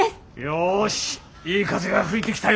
よしいい風が吹いてきたようだ。